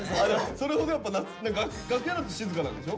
それほど楽屋だと静かなんでしょ？